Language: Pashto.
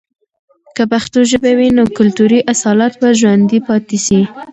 که پښتو ژبه وي، نو کلتوري اصالت به ژوندي پاتې سي.